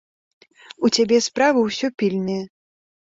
У цябе справы ўсё пільныя.